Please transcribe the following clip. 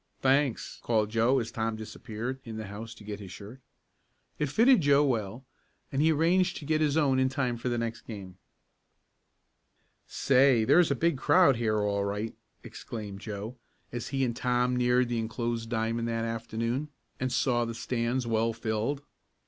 "Thanks," called Joe as Tom disappeared in the house to get his shirt. It fitted Joe well, and he arranged to get his own in time for the next game. "Say, there's a big crowd here all right!" exclaimed Joe, as he and Tom neared the enclosed diamond that afternoon, and saw the stands well filled.